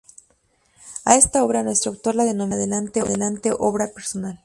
A esta obra nuestro autor la denominará en adelante obra personal.